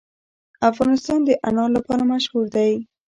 افغانستان د انار لپاره مشهور دی.